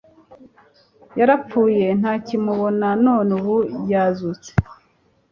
yarapfuye ntakimubona, none ubu yazutse